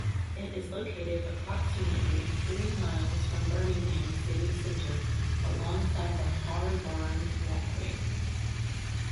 It is located approximately three miles from Birmingham city centre, alongside the Harborne Walkway.